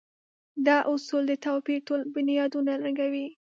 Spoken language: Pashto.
دا اصول د توپير ټول بنيادونه ړنګوي.